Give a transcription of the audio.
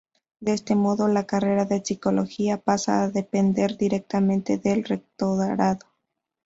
De este modo, la "Carrera de Psicología" pasa a depender directamente del Rectorado.